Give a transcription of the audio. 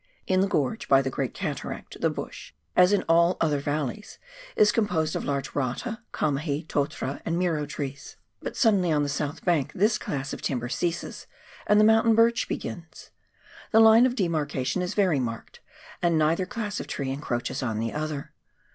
In the gorge by the great cataract, the bush, as in all other valleys, is composed of large rata, kamahi, totara, and miro trees, but suddenly on the KARANGARUA DISTRICT. 259 south bank this class of timber ceases, and tlie mountain birch begins. The line of demarcation is very marked, and neither class of tree encroaches on the other.